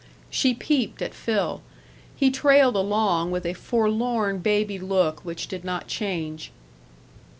She peeped at Phil. He trailed along with a forlorn baby look which did not change.